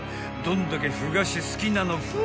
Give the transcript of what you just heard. ［どんだけふ菓子好きなのふ］